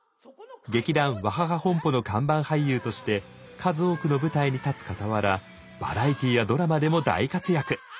劇団「ワハハ本舗」の看板俳優として数多くの舞台に立つかたわらバラエティーやドラマでも大活躍。